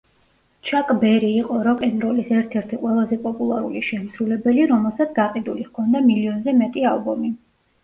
ჩაკ ბერი იყო როკ-ენ-როლის ერთ-ერთი ყველაზე პოპულარული შემსრულებელი, რომელსაც გაყიდული ჰქონდა მილიონზე მეტი ალბომი.